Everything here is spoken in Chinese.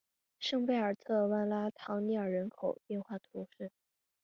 圣贝尔特万拉唐涅尔人口变化图示